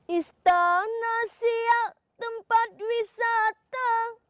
istana siap tempat wisata